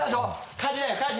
火事だよ火事！